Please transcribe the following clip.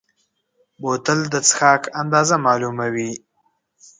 بوتل د څښاک اندازه معلوموي.